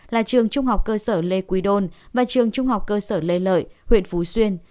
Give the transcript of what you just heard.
là trường trung học cơ sở lê quý đôn và trường trung học cơ sở lê lợi huyện phú xuyên